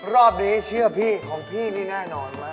รอบนี้เชื่อพี่ของพี่นี่แน่นอนว่า